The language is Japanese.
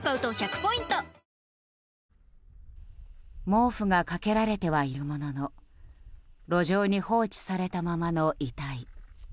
毛布がかけられてはいるものの路上に放置されたままの遺体。